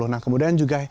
nah kemudian juga